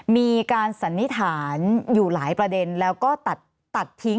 สันนิษฐานอยู่หลายประเด็นแล้วก็ตัดทิ้ง